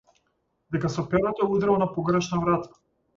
Дека со перото удрил на погрешна врата.